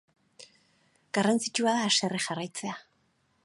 Garrantzitsua da haserre jarraitzea.